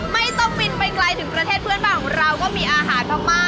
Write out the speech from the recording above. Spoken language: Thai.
ไม่ต้องบินไปไกลถึงประเทศเพื่อนบ้านของเราก็มีอาหารพม่า